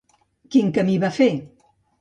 Quin camí va fer?